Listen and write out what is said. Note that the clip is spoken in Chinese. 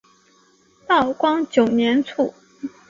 道光九年卒。